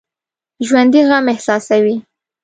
ژوندي غم احساسوي